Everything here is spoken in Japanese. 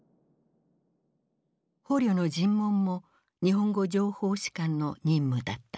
捕虜の尋問も日本語情報士官の任務だった。